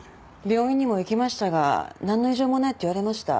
病院にも行きましたが何の異常もないって言われました。